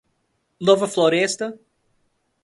Nova Floresta